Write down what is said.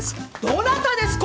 どなたです！？